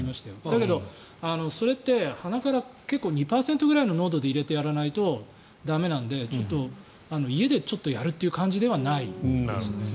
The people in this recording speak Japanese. だけど、それって鼻から結構、２％とかの濃度で入れてやらないと駄目なんでちょっと家でやるという感じではない。